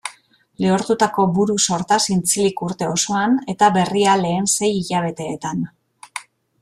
Lehortutako buru-sorta zintzilik urte osoan, eta berria lehen sei hilabeteetan.